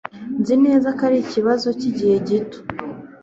Nzi neza ko ari ikibazo cyigihe gito